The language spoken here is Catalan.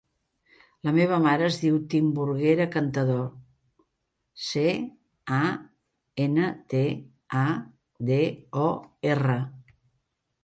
La meva mare es diu Timburguera Cantador: ce, a, ena, te, a, de, o, erra.